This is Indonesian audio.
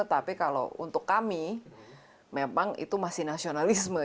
tapi kalau untuk kami memang itu masih nasionalisme